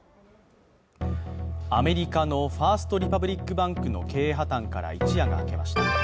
アメリカのファースト・リパブリック・バンクの経営破綻から一夜が明けました。